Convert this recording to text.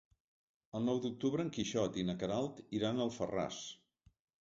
El nou d'octubre en Quixot i na Queralt iran a Alfarràs.